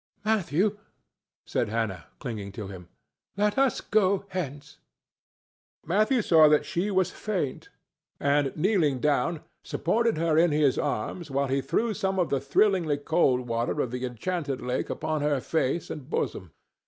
"Matthew," said Hannah, clinging to him, "let us go hence." Matthew saw that she was faint, and, kneeling down, supported her in his arms while he threw some of the thrillingly cold water of the enchanted lake upon her face and bosom.